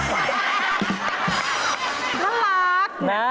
น่ารัก